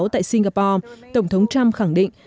tại singapore tổng thống trump khẳng định